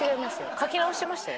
書き直してましたよ。